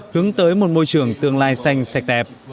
hướng tới một môi trường tương lai xanh sạch đẹp